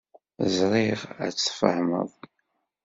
Ẓriɣ ad tt-tfehmeḍ.